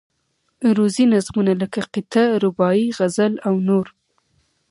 عروضي نظمونه لکه قطعه، رباعي، غزل او نور.